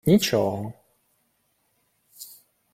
— Нічого.